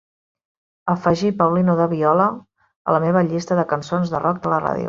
Afegir paulinho da viola a la meva llista de cançons Rock de la ràdio.